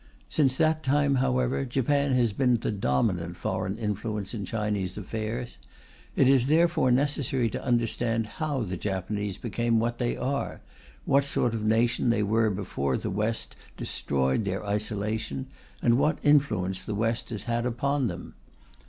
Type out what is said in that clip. Since that time, however, Japan has been the dominant foreign influence in Chinese affairs. It is therefore necessary to understand how the Japanese became what they are: what sort of nation they were before the West destroyed their isolation, and what influence the West has had upon them.